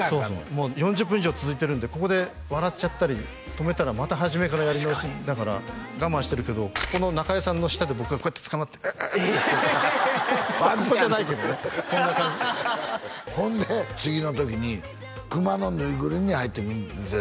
もう４０分以上続いてるんでここで笑っちゃったり止めたらまた始めからやり直しだから我慢してるけどここの中井さんの下で僕がこうやってつかまってううっっていってここじゃないけどねこんな感じほんで次の時に熊の縫いぐるみ入って見てたよね